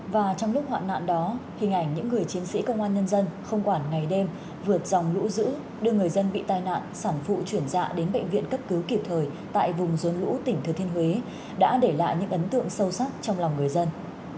và trong lúc hoạn nạn đó hình ảnh những người chiến sĩ công an nhân dân không quản ngày đêm vượt dòng lũ dữ đưa người dân bị tai nạn sản phụ chuyển dạ đến bệnh viện cấp cứu kịp thời tại vùng rốn lũ tỉnh thừa thiên huế đã để lại những ấn tượng sâu sắc trong lòng người dân